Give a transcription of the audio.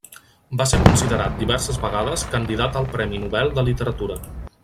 Va ser considerat diverses vegades candidat al Premi Nobel de Literatura.